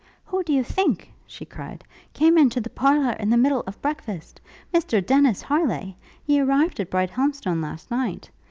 'Who do you think,' she cried, 'came into the parlour in the middle of breakfast? Mr Dennis Harleigh! He arrived at Brighthelmstone last night.